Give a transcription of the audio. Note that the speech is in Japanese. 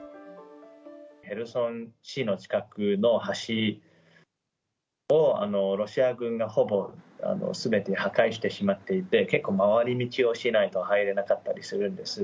ヘルソン市の近くの橋をロシア軍がほぼすべて破壊してしまっていて、結構、回り道をしないと入れなかったりするんです。